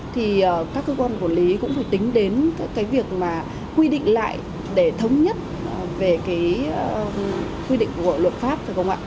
thì các cơ quan quản lý cũng phải tính đến cái việc mà quy định lại để thống nhất về cái quy định của luật pháp phải không ạ